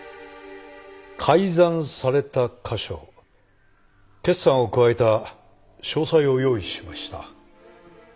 改ざんされた箇所決算を加えた詳細を用意しました。